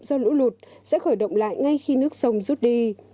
do lũ lụt sẽ khởi động lại ngay khi nước sông rút đi